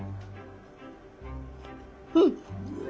うん。